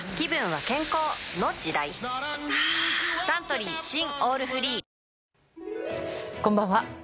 はぁサントリー新「オールフリー」こんばんは。